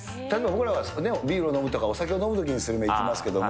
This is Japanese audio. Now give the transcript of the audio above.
僕らはね、ビールを飲むとか、お酒を飲むときにスルメ、いきますけども。